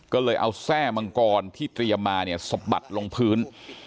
ก็เลยเอาแทร่มังกรที่เตรียมมาเนี่ยสะบัดลงพื้น